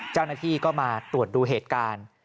เจ้าหน้าที่ก็มาตรวจดูเหตุการณ์